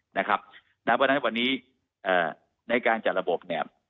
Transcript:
เพราะฉะนั้นวันนี้ในการจัดระบบเนี่ย